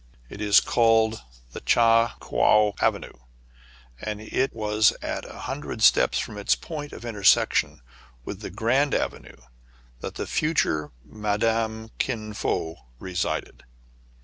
It is called Cha Coua Avenue ; and it was at a hun dred steps from its point of intersection with Grand Avenue that the future Madame Kin Fo resided.